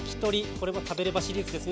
これも「食べればシリーズ」です。